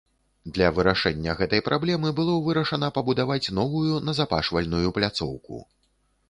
Для вырашэння гэтай праблемы было вырашана пабудаваць новую назапашвальную пляцоўку.